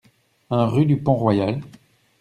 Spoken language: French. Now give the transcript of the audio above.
un rue du Pont Royal